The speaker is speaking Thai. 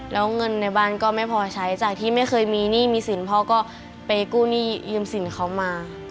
แล้วเงินในบ้านก็ไม่พอใช้จากที่ไม่เคยมีหนี้มีสินพ่อก็ไปกู้หนี้ยืมสินเขามา